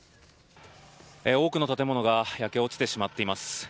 多くの建物が焼け落ちてしまっています。